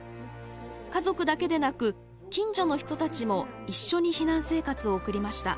家族だけでなく近所の人たちも一緒に避難生活を送りました。